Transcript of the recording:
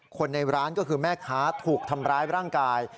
คนในร้านก็คือแม่ค้าถูกทำร้ายร่างกาย